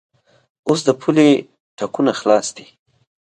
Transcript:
اوس د پولې ټکونه خلاص دي.